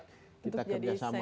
untuk jadi sanitizer